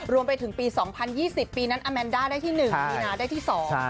รวมไปถึงปี๒๐๒๐ปีนั้นอาแมนด้าได้ที่หนึ่งมีนาได้ที่สอง